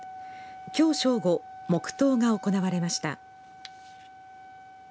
きょう正午黙とうが行われました。